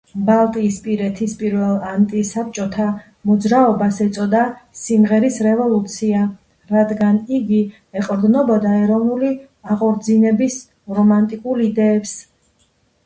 ბალტიისპირეთის პირველ ანტისაბჭოთა მოძრაობას ეწოდა სიმღერის რევოლუცია, რადგანაც იგი ეყრდნობოდა ეროვნული აღორძინების რომანტიკულ იდეებს.